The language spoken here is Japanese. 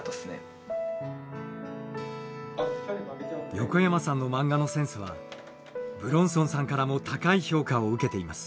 横山さんの漫画のセンスは武論尊さんからも高い評価を受けています。